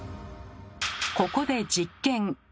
ここで実験。